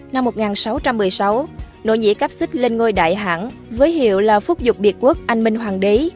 năm một nghìn sáu trăm một mươi sáu nỗ nhĩ cáp xích lên ngôi đại hãng với hiệu là phúc dục biệt quốc anh minh hoàng đế